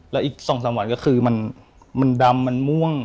แล้วอีก๒๓วันก็คือมันดำมันม่วง